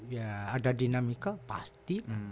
ya ada dinamika pasti